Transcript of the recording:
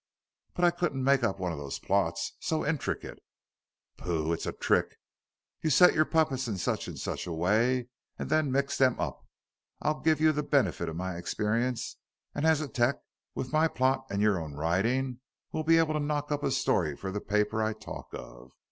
"But I couldn't make up one of those plots so intricate." "Pooh. It's a trick. You set your puppets in such and such a way and then mix them up. I'll give you the benefit of my experience as a 'tec, and with my plot and your own writing we'll be able to knock up a story for the paper I talk of.